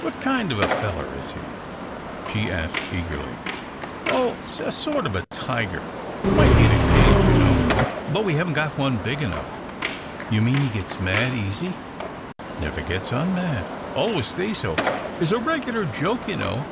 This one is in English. "What kind of a feller is he?" she asked, eagerly. "Oh, a sort of tiger might be in a cage, you know, but we haven't got one big enough." "You mean he gets mad easy?" "Never gets un mad. Always stays so. Is a regular joke, you know.